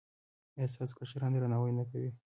ایا ستاسو کشران درناوی نه کوي؟